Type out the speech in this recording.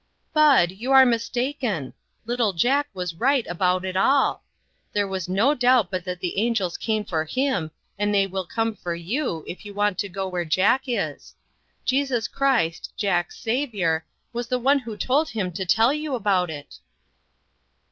"Bud, you are mistaken. Little Jack was right about it all. There was no doubt but that the angels came for him, and they will come for you, if you want to go where Jack is. Jesus Christ, Jack's Saviour, was the one who told him to tell you about it."